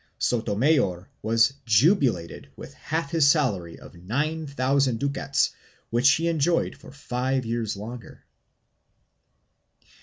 Sotornayor was "jubilated" with half his salary of nine thousand ducats, which he enjoyed for five years longer.